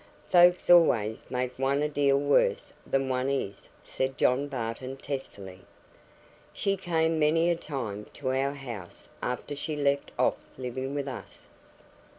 "Folks always make one a deal worse than one is," said John Barton, testily. "She came many a time to our house after she left off living with us.